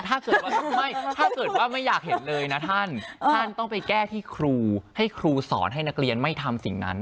ถ้าเกิดว่าไม่ถ้าเกิดว่าไม่อยากเห็นเลยนะท่านท่านต้องไปแก้ที่ครูให้ครูสอนให้นักเรียนไม่ทำสิ่งนั้น